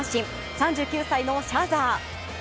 ３９歳のシャーザー。